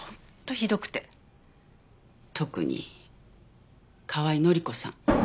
特に河合範子さん。